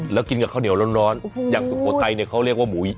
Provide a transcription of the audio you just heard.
แล้วกินกับข้าวเหนียวร้อนอย่างสุโขทัยเนี่ยเขาเรียกว่าหมู